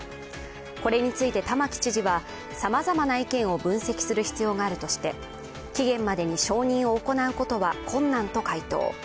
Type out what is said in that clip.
これについて玉城知事はさまざまな意見を分析する必要があるとして期限までに承認を行うことは困難と回答。